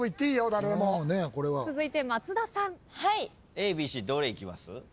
ＡＢＣどれいきます？